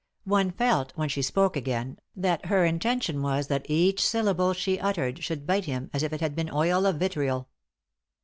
One felt, when she spoke again, that her intention was that each syllable she uttered should bite him as if it had been oil of vitriol.